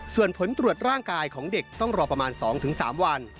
ส่วนผลตรวจร่างกายของเด็กต้องรอประมาณ๒๓วัน